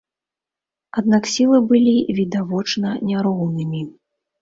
Аднак сілы былі відавочна няроўнымі.